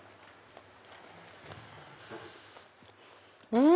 うん！